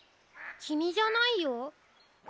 きみじゃないよ。